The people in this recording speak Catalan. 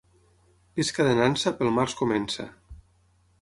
Pesca de nansa, pel març comença.